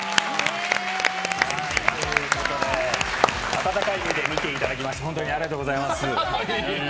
温かい目で見ていただきまして本当にありがとうございます。